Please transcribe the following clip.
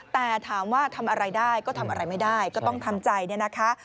แต่ถามว่าทำอะไรได้ก็ทำอะไรไม่ได้ก็ต้องทำใจเนี่ยนะคะ